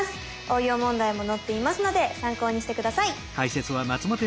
応用問題も載っていますので参考にして下さい。